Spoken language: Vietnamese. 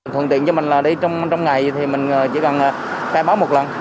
thuận tiện cho mình là đi trong ngày thì mình chỉ cần khai báo một lần